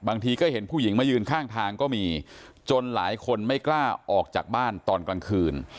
บางทีก็เห็นผู้หญิงมายืนข้างทางก็มีจนหลายคนไม่กล้าออกจากบ้านตอนกลางคืน